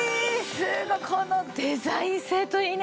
すごいこのデザイン性といいね。